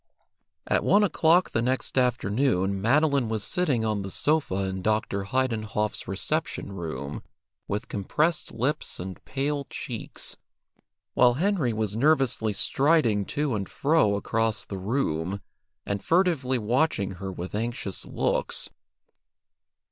At one o'clock the next afternoon Madeline was sitting on the sofa in Dr. Heidenhoff's reception room with compressed lips and pale cheeks, while Henry was nervously striding to and fro across the room, and furtively watching her with anxious looks.